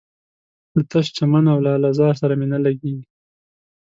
له تش چمن او لاله زار سره مي نه لګیږي